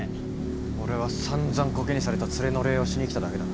俺は散々こけにされたツレの礼をしに来ただけだ。